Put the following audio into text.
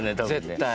絶対。